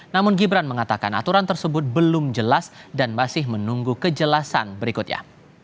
namun gibran mengatakan aturan tersebut belum jelas dan masih menunggu kejelasan berikutnya